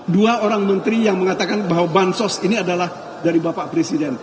dua orang menteri yang mengatakan bahwa bansos ini adalah dari bapak presiden